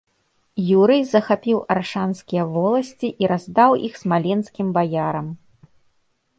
Юрый захапіў аршанскія воласці і раздаў іх смаленскім баярам.